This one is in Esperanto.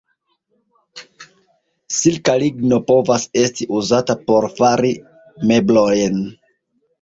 Silka ligno povas esti uzata por fari meblojn.